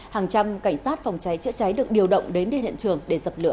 hàng trăm cảnh sát phòng cháy chữa cháy được điều động đến địa điện trường để dập lửa